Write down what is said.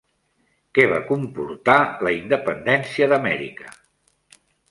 Què va comportar la independència d'Amèrica?